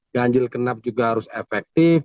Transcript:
ganjil genap juga harus efektif